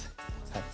はい。